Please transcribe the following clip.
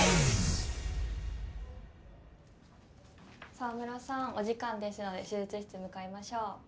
澤村さんお時間ですので手術室向かいましょう。